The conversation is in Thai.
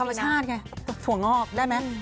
ธรรมชาติไงถั่วงอกได้ไหม